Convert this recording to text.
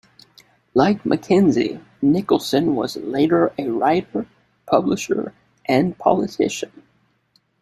Like MacKenzie, Nicolson was later a writer, publisher and politician.